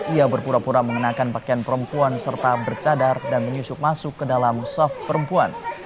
ia berpura pura mengenakan pakaian perempuan serta bercadar dan menyusup masuk ke dalam soft perempuan